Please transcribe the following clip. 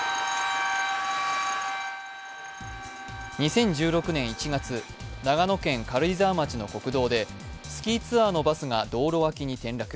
２０１６年１月、長野県軽井沢町の国道でスキーツアーのバスが道路脇に転落。